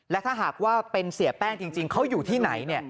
และถ้าหากว่าเป็นเสียแป้งจริงเขาอยู่ที่ไหน